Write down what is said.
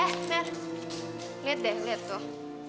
eh mer liat deh liat tuh